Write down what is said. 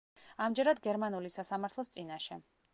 ამჯერად გერმანული სასამართლოს წინაშე.